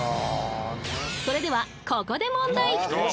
［それではここで］